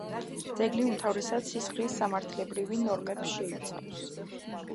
ძეგლი უმთავრესად სისხლის სამართლებრივი ნორმებს შეიცავს.